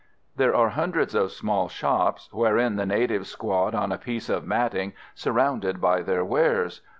There are hundreds of small shops, wherein the natives squat on a piece of matting, surrounded by their wares.